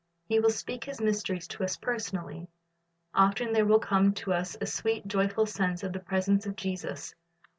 He will speak His mysteries to us personally. Often there will come to us a sweet, joyful sense of the presence of Jesus.